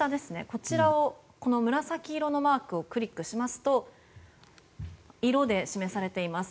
こちら紫色のマークをクリックしますと色で示されています。